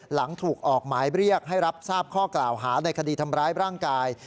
หลังถูกออกหมายเรียกให้รับทราบข้อกล่าวหาในคดีทำร้ายร่างกาย